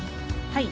はい！